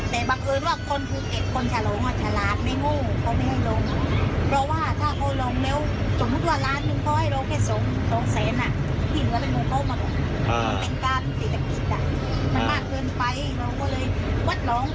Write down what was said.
แต่บักเอิญว่าคนภูเก็ตคนฉาโรง